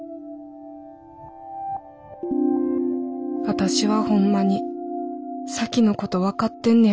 私はほんまに咲妃のこと分かってんね